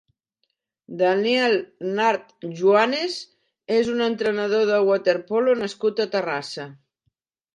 Daniel Nart Juanes és un entrenador de waterpolo nascut a Terrassa.